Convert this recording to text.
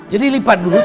jadi lipat dulu